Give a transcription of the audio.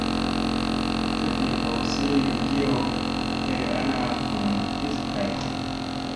Tuɗ ii hook siiŋ kiyo kay ana vunuŋ his hay.